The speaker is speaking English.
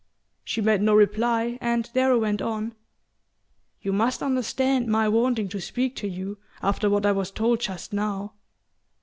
She made no reply, and Darrow went on: "You must understand my wanting to speak to you, after what I was told just now."